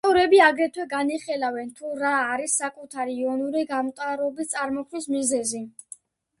ავტორები აგრეთვე განიხილავენ თუ რა არის საკუთარი იონური გამტარობის წარმოქმნის მიზეზი.